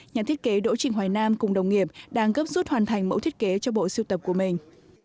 nhà thiết kế đỗ trình hoài nam cùng đồng nghiệp đang gấp rút hoàn thành mẫu thiết kế cho bộ siêu tập của mình